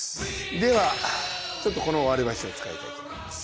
ではちょっとこの割りばしを使いたいと思います。